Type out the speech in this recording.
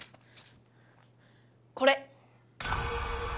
これ！